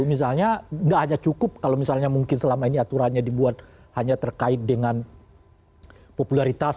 misalnya nggak hanya cukup kalau misalnya mungkin selama ini aturannya dibuat hanya terkait dengan popularitas